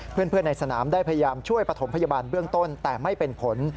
เพื่อนในสนามได้พยายามช่วยประถมพยาบาลเบื้องต้นแต่ไม่เป็นผล